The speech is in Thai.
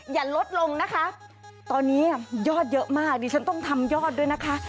อย่าลดลงนะคะตอนนี้ยอดเยอะมากดิฉันต้องทำยอดด้วยนะคะ